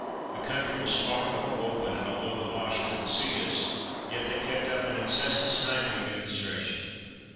The country was far more open, and although the Boches couldn't see us, yet they kept up an incessant sniping demonstration.